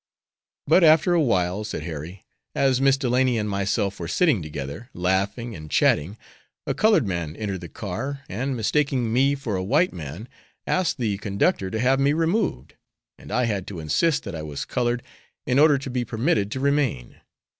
"But after awhile," said Harry, "as Miss Delany and myself were sitting together, laughing and chatting, a colored man entered the car, and, mistaking me for a white man, asked the conductor to have me removed, and I had to insist that I was colored in order to be permitted to remain.